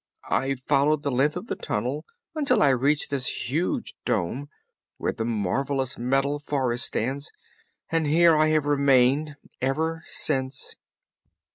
I followed the length of the tunnel until I reached this huge dome, where the marvelous Metal Forest stands, and here I have remained ever since."